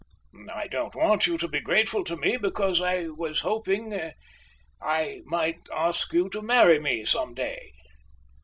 "I don't want you to be grateful to me, because I was hoping—I might ask you to marry me some day."